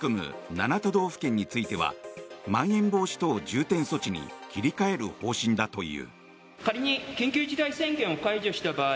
７都道府県についてはまん延防止等重点措置に切り替える方針だという。